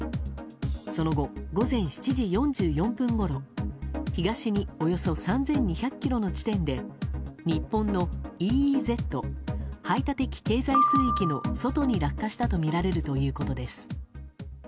その後、午前７時４４分ごろ東におよそ３２００ｋｍの地点で日本のＥＥＺ・排他的経済水域の外に落下したとみられるということです。